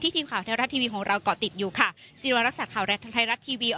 ที่ทีมขาวไทยรัสทีวีของเราก่อติดอยู่ค่ะสิริวารักษาขาวรัฐไทยรัสทีวี